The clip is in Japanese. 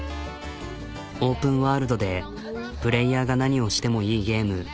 オープンワールドでプレーヤーが何をしてもいいゲーム。